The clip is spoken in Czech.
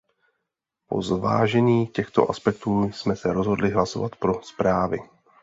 Po zvážení těchto aspektů jsme se rozhodli hlasovat pro zprávy.